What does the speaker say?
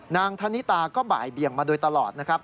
ณธนิตาก็บ่ายเบียงมาโดยตลอดนะครับ